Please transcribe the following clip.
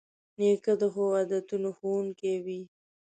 نیکه د ښو عادتونو ښوونکی وي.